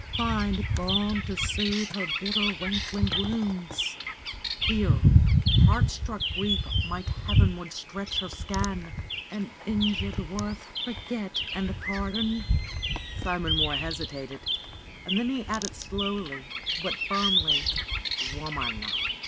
Find balm to soothe her bitter, rankling wounds ; Here heart struck Grief might heavenward stretch her scan. And injured Worth forget and pardon " Simon Mohr hesitated and then he added slowly but firmly: "Woman!"